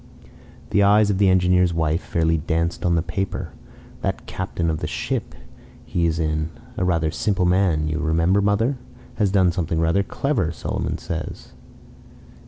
The eyes of the engineer's wife fairly danced on the paper. "That captain of the ship he is in a rather simple man, you remember, mother? has done something rather clever, Solomon says."